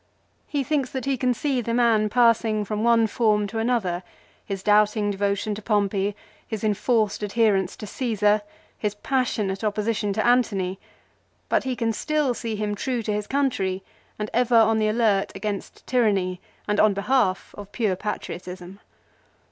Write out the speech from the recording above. He thinks that he can see the man passing from one form to another, his doubting devotion to Pompey, his enforced adherence to Caesar, his passionate opposition to Antony, but he can still see him true to his country, and ever on the alert against tyranny and on behalf of pure patriotism.